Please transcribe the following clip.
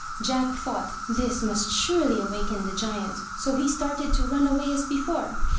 '* Jack thought this must surely awaken the giant, so he started to run away as before.